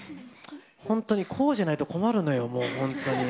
本当にこうじゃないと困るのよ、もう、本当に。